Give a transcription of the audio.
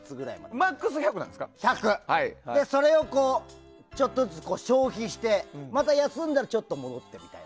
それをちょっとずつ消費して休んだらちょっと戻ってみたいな。